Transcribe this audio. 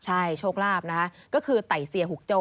ใช่โชคลาภนะคะก็คือไต่เซียหุกโจ้